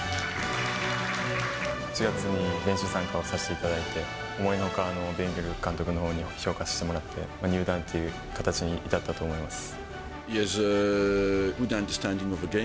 ８月に練習参加をさせていただいて、思いのほか、ベンゲル監督に評価してもらって、入団という形に至ったと思います。